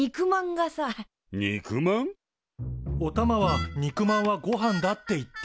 おたまは「肉まんはごはんだ」って言って。